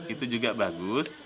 itu juga bagus